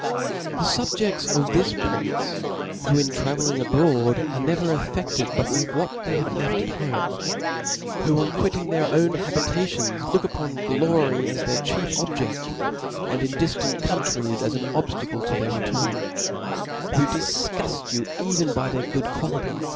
The fubjedts of this prince, who in travelling abroad^ are never affcfted but with what they have left at home ; who on quitting their own habita tions, look upon glory as their chief objeft, and in 1 C) F t A W 8. ^n I in Siftant countries as dn obftacle to their return ; B o o k who difguft you even bf their good qualities, be cha'^ «.